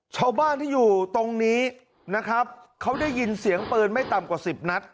ชาวบ้านที่อยู่ตรงนี้นะครับเขาได้ยินเสียงปืนไม่ต่ำกว่าสิบนัด